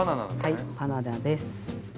はいバナナです。